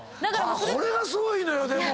それがすごいのよ。